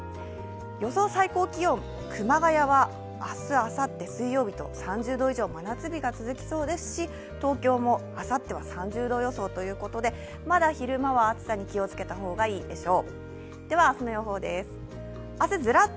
予想最高気温、熊谷は明日あさって水曜日と真夏日が続きそうですし、東京もあさっては３０度予想ということで、まだ昼間は暑さに気をつけた方がいいでしょう。